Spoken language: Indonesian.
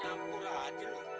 ya ampura aja lo